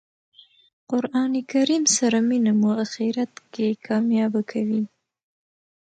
قران کریم سره مینه مو آخرت کښي کامیابه کوي.